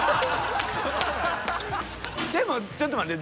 でもちょっと待って。